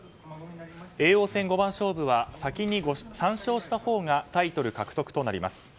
叡王戦五番勝負は先に３勝したほうがタイトル獲得となります。